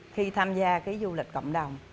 khi tham gia cái du lịch cộng đồng